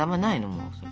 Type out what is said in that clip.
もうそれ。